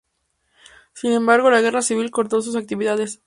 Sin embargo, la Guerra Civil cortó sus actividades.